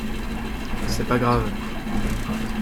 C'est pas grave.